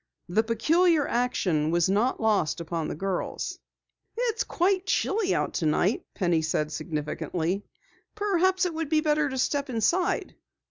The peculiar action was not lost upon the girls. "It's quite chilly out tonight," Penny said significantly. "Perhaps it would be better to step inside."